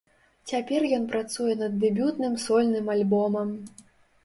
Цяпер ён працуе над дэбютным сольным альбомам.